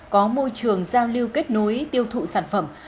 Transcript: có môi trường giao lưu kết nối tiêu thụ sản phẩm